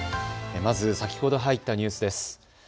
まず先ほど入ったニュースです。